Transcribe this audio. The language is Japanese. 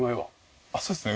あっそうですね。